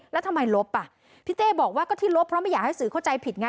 แล้วทำไมลบอ่ะพี่เต้บอกว่าก็ที่ลบเพราะไม่อยากให้สื่อเข้าใจผิดไง